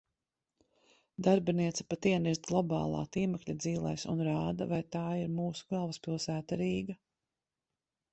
Darbiniece pat ienirst globālā tīmekļa dzīlēs un rāda, vai tā ir mūsu galvaspilsēta Rīga.